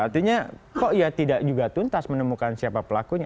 artinya kok ya tidak juga tuntas menemukan siapa pelakunya